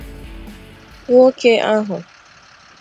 nwoke ahụ